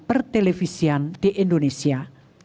pertelevisian di indonesia